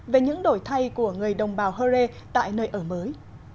về những đổi thay của người đồng bào hơ rê tại nơi ở mới